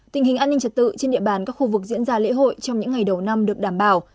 tình hình an ninh trật tự trên địa bàn các khu vực diễn ra lễ hội trong những ngày đầu năm được đảm bảo